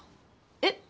えっ？